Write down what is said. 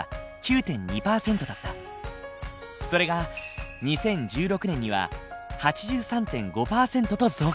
それが２０１６年には８３．５％と増加。